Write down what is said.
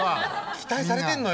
期待されてんのよ。